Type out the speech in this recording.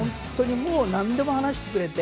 何でも話してくれて。